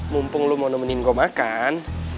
mumpung lu mau nemenin gue makan